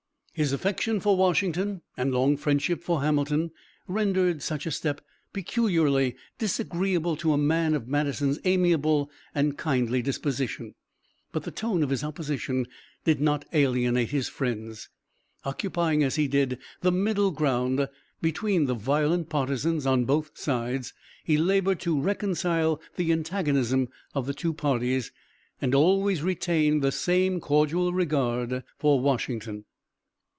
His affection for Washington, and long friendship for Hamilton, rendered such a step peculiarly disagreeable to a man of Madison's amiable and kindly disposition, but the tone of his opposition did not alienate his friends. Occupying, as he did, the middle ground between the violent partisans on both sides he labored to reconcile the antagonism of the two parties, and always retained the same cordial regard for Washington.